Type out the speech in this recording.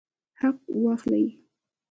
حق واخلئ